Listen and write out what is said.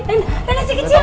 rena si kecil